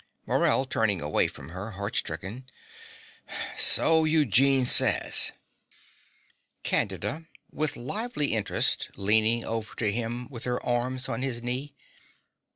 MORELL (turning away from her, heart stricken). So Eugene says. CANDIDA (with lively interest, leaning over to him with her arms on his knee).